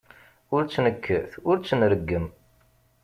Ur tt-nekkat ur tt-nreggem.